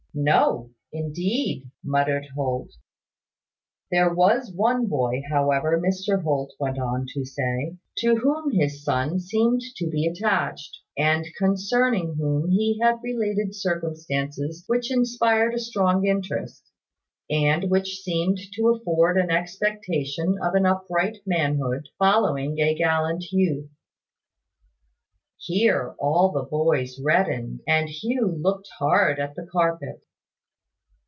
"No, indeed!" muttered Holt. There was one boy, however, Mr Holt went on to say, to whom his son seemed to be attached, and concerning whom he had related circumstances which inspired a strong interest, and which seemed to afford an expectation of an upright manhood following a gallant youth. Here all the boys reddened, and Hugh looked hard at the carpet.